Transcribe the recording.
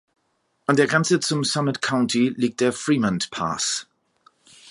An der Grenze zum Summit County liegt der Fremont Pass.